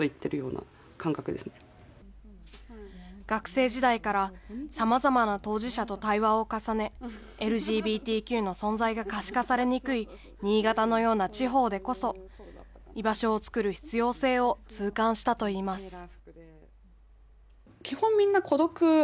学生時代からさまざまな当事者と対話を重ね、ＬＧＢＴＱの存在が可視化されにくい、新潟のような地方でこそ、居場所を作る必要性を痛感したといいます。